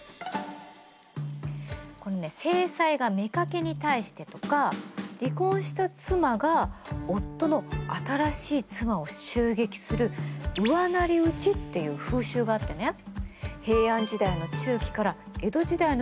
このね正妻が妾に対してとか離婚した妻が夫の新しい妻を襲撃する後妻打ちっていう風習があってね平安時代の中期から江戸時代の初期にかけて行われてたの。